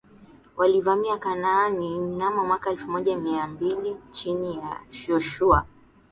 walivamia Kanaani mnamo mwaka elfu moja mia mbili chini ya Yoshua